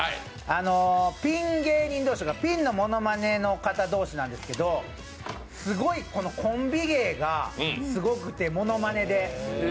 ピン芸人同士、ピンのものまねの方同士なんですけど、すごいコンビ芸がすごくてものまねで。